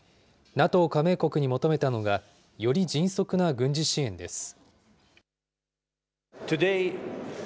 加盟国に求めたのが、より迅速な軍事支援です。